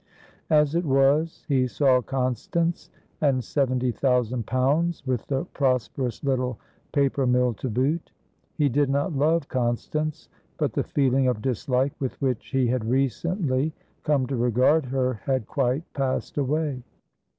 As it was, he saw Constance and seventy thousand pounds, with the prosperous little paper mill to boot. He did not love Constance, but the feeling of dislike with which he had recently come to regard her had quite passed away.